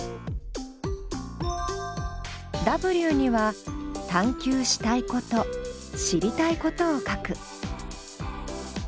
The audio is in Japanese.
Ｗには探究したいこと知りたいことを書く。